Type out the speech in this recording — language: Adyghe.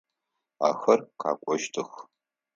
Ахэр къэкӏощтых.